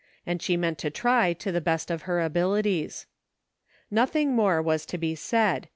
And she meant to try to the best of her abilities. Nothing more was to be said.